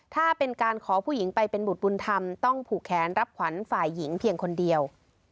ถ้าเป็นการขอผู้หญิงไปเป็นบุตรบุญธรรมต้องผูกแขนรับขวัญฝ่ายหญิงเพียงคนเดียว